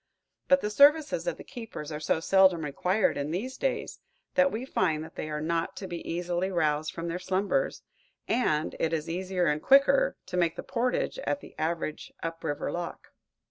But the services of the keepers are so seldom required in these days that we find they are not to be easily roused from their slumbers, and it is easier and quicker to make the portage at the average up river lock.